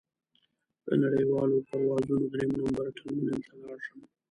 د نړیوالو پروازونو درېیم نمبر ټرمینل ته لاړ شم.